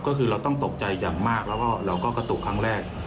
ก็คือเราต้องตกใจอย่างมากแล้วก็เราก็กระตุกครั้งแรก